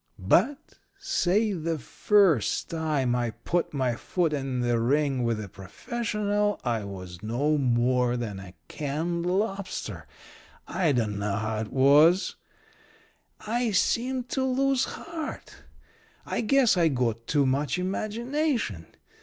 "But, say, the first time I put my foot in the ring with a professional I was no more than a canned lobster. I dunno how it was I seemed to lose heart. I guess I got too much imagination.